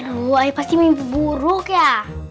aduh ayah pasti mimpi buruk ya